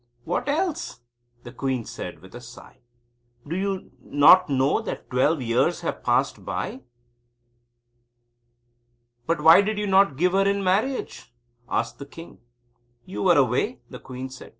"What else?" the queen said with a sigh. "Do you not know that twelve years have passed by?" "But why did you not give her in marriage?" asked the king. "You were away," the queen said.